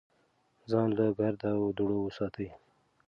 ځان له ګرد او دوړو وساتئ.